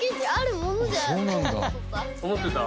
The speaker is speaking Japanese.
思ってた？